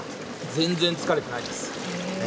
全然疲れてないです。